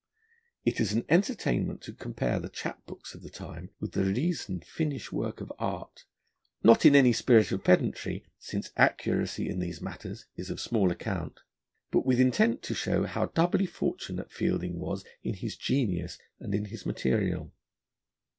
It is an entertainment to compare the chap books of the time with the reasoned, finished work of art: not in any spirit of pedantry since accuracy in these matters is of small account, but with intent to show how doubly fortunate Fielding was in his genius and in his material.